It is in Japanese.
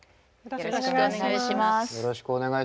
よろしくお願いします。